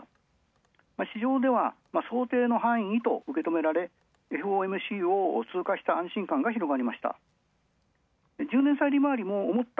市場では想定の範囲と受け止められＦＯＭＣを通過した安心感が広がりました。